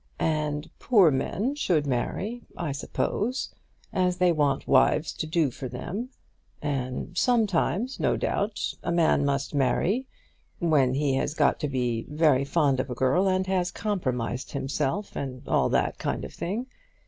And poor men should marry, I suppose, as they want wives to do for them. And sometimes, no doubt, a man must marry when he has got to be very fond of a girl, and has compromised himself, and all that kind of thing.